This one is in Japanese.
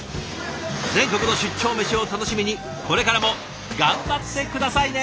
全国の出張メシを楽しみにこれからも頑張って下さいね。